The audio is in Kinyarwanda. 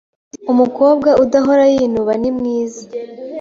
Umukobwa udahora yinuba nimwiza